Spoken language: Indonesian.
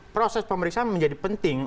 proses pemeriksaan menjadi penting